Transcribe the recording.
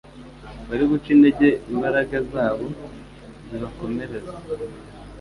wari guca intege imbaraga zabo zibakomereza